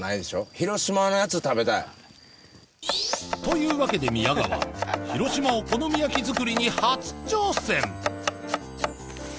広島のやつ食べたい。というわけで宮川広島お好み焼き作りに初挑戦